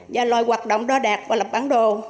và loài hoạt động đo đạc và lập bản đồ